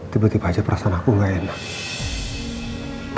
tiba tiba aja perasaanku gak enak